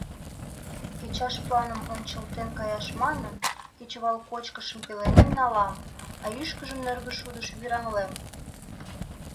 Кечаш планым ончылтен каяш манын, кечывал кочкышым пеленем налам, а ӱшкыжым нӧргӧ шудыш вӱраҥлем.